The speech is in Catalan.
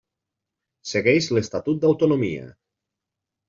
Segueix l'Estatut d'autonomia.